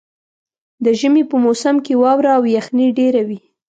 د ژمي په موسم کې واوره او یخني ډېره وي.